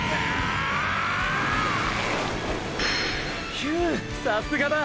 ヒュウさすがだ！！